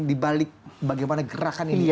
dibalik bagaimana gerakan ini